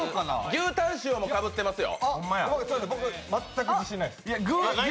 牛タン塩もかぶってますよ！